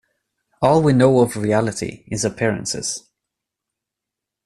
All we know of reality is appearances.